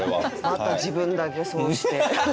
また自分だけそうして。